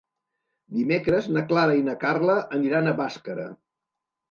Dimecres na Clara i na Carla aniran a Bàscara.